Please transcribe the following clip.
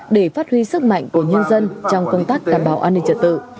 để phát huy sức mạnh của nhân dân trong công tác đảm bảo an ninh trật tự